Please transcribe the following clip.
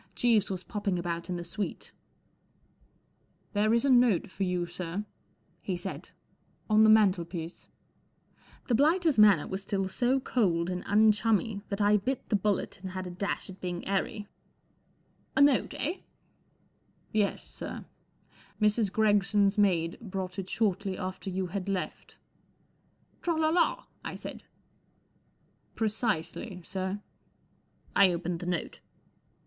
Jeeves was popping about in the suite* 1 There is a note for you* sir*" he said* 1 on the mantelpiece*" The blighter's manner was still so cold and unchummy that I bit the bullet and had a dash at being airy* * A note* eh ?"'* Yes* sir* Mrs. Gregson's maid brought it shortly after you had left.'" h Tra lada !" I said. " Precisely, sir." I opened the note.